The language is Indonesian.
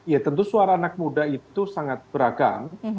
ya tentu suara anak muda itu sangat beragam